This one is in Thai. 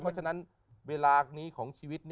เพราะฉะนั้นเวลานี้ของชีวิต